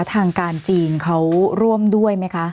ทางการจีนเขาร่วมด้วยไหมคะ